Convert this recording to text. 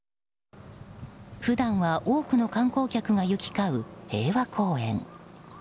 普段は多くの観光客が行き交う平和公園。